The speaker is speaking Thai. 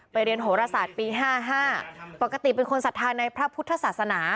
เรียนโหรศาสตร์ปี๕๕ปกติเป็นคนศรัทธาในพระพุทธศาสนา